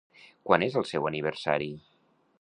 Quan és el seu aniversari?